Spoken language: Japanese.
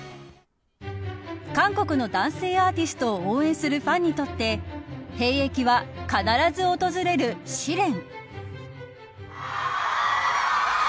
韓国の男性アーティストを応援するファンにとって兵役は必ず訪れる試練。